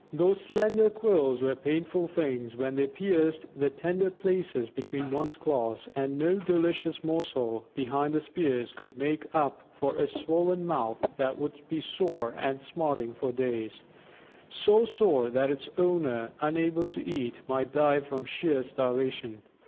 Those slender quills were painful things when they pierced the tender places between one's claws, and no delicious morsel behind the spears could make up for a swollen mouth that would be sore and smarting for days so sore that its owner, unable to eat, might die from sheer starvation.